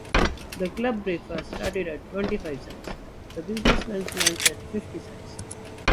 The Club Breakfast started at twenty-five cents, the Businessman's Lunch at fifty cents.